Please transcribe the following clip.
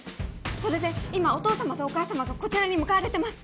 それで今お父様とお母様がこちらに向かわれてます。